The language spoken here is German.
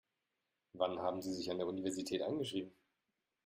Wann haben Sie sich an der Universität eingeschrieben?